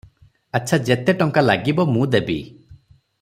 ଆଚ୍ଛା ଯେତେ ଟଙ୍କା ଲାଗିବ, ମୁଁ ଦେବି ।